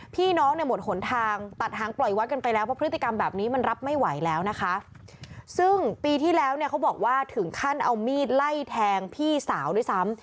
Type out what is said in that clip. พี่น้องเนี่ยหมดหนทางตัดหางปล่อยวัดกันไปแล้วเพราะพฤติกรรมแบบนี้มันรับไม่ไหวแล้วนะคะซึ่งปีที่แล้วเนี่ยเขาบอกว่าถึงขั้นเอามีดไล่แทงพี่สาวด้วยซ้ำ